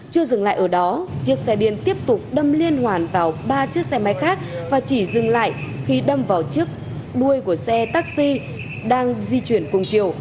chưa dừng lại ở đó chiếc xe điên tiếp tục đâm liên hoàn vào ba chiếc xe máy khác và chỉ dừng lại khi đâm vào chiếc đuôi của xe taxi đang di chuyển cùng chiều